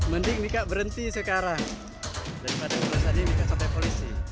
mending mika berhenti sekarang daripada berhenti sampai polisi